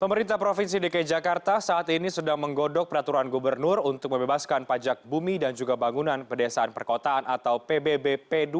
pemerintah provinsi dki jakarta saat ini sedang menggodok peraturan gubernur untuk membebaskan pajak bumi dan juga bangunan pedesaan perkotaan atau pbbp dua ribu